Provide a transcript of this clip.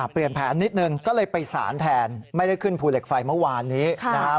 เปลี่ยนแผนนิดนึงก็เลยไปสารแทนไม่ได้ขึ้นภูเหล็กไฟเมื่อวานนี้นะครับ